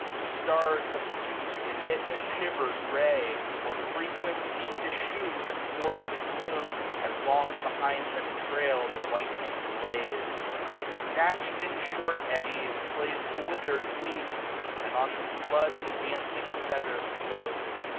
The stars obtuse emit a shiver'd ray j Or frequent seem to shoot athwart the gloom, And long behind them trail the whitening blaze* Sn^tch'd in short eddies, plays the withered leaf j 13a. And on the flood the dancing feather floats.